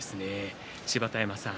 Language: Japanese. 芝田山さん